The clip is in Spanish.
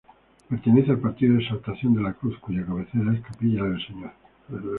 Pertenece al partido de Exaltación de la Cruz, cuya cabecera es Capilla del Señor.